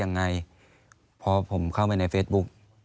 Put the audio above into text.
อันดับ๖๓๕จัดใช้วิจิตร